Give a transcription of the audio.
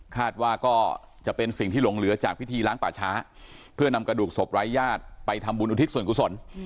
ว่าจะเป็นสิ่งที่หลงเหลือจากพิธีล้างป่าช้าเพื่อนำกระดูกศพไร้ญาติไปทำบุญอุทิศส่วนกุศล